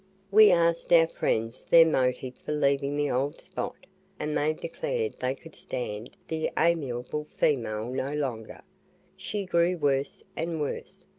We asked our friends their motive for leaving the old spot, and they declared they could stand the "amiable female" no longer; she grew worse and worse.